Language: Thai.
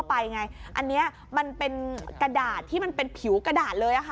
กระดาษที่มันเป็นผิวกระดาษเลยอ่ะค่ะ